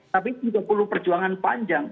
tapi juga perlu perjuangan panjang